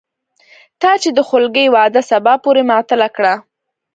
تا چې د خولګۍ وعده سبا پورې معطله کړه